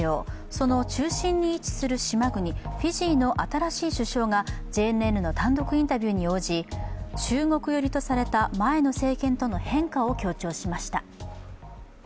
その中心に位置する島国フィジーの新しい首相がＪＮＮの単独インタビューに応じ中国寄りとされた前の政権との変化を強調しました。